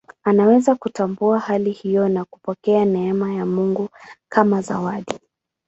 Anaweza kutambua hali hiyo na kupokea neema ya Mungu kama zawadi.